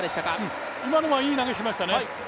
今のはいい投げしましたね。